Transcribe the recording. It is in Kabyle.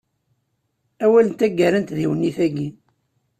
Awal n taggara i tdiwennit-agi.